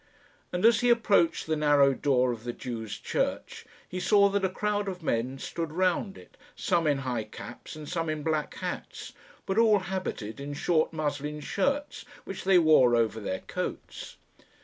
And as he approached the narrow door of the Jews' church, he saw that a crowd of men stood round it, some in high caps and some in black hats, but all habited in short muslin shirts, which they wore over their coats.